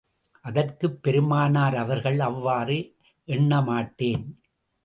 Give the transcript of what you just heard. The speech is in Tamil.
அதற்குப் பெருமானார் அவர்கள், அவ்வாறு எண்ண மாட்டேன்.